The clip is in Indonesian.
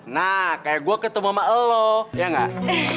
nah kayak gue ketemu sama elo ya nggak